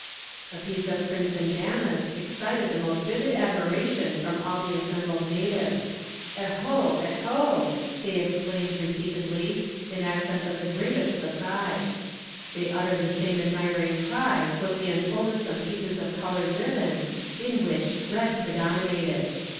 A piece of crimson damask excited the most vivid admiration from all the assembled natives. 'Eho! Eho!' they exclaimed repeatedly, in accents of the greatest surprise. They uttered the same admiring cry when we unfolded some pieces of coloured ribbon, in which red predominated.